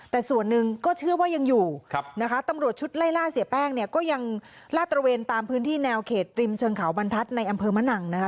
แต่ส่วนหนึ่งก็เชื่อว่ายังอยู่นะคะตำรวจชุดไล่ล่าเสียแป้งเนี่ยก็ยังลาดตระเวนตามพื้นที่แนวเขตริมเชิงเขาบรรทัศน์ในอำเภอมะนังนะคะ